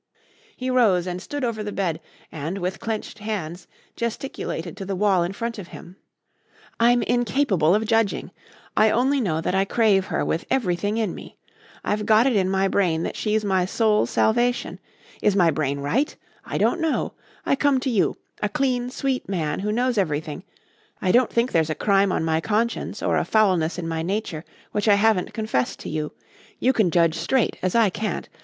He rose and stood over the bed and, with clenched hands, gesticulated to the wall in front of him. "I'm incapable of judging. I only know that I crave her with everything in me. I've got it in my brain that she's my soul's salvation. Is my brain right? I don't know. I come to you a clean, sweet man who knows everything I don't think there's a crime on my conscience or a foulness in my nature which I haven't confessed to you. You can judge straight as I can't.